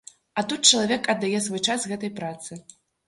А тут чалавек аддае свой час гэтай працы.